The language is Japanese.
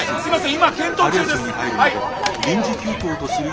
今検討中です。